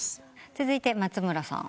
続いて松村さん。